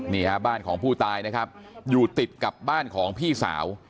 นี่ฮะบ้านของผู้ตายนะครับอยู่ติดกับบ้านของพี่สาว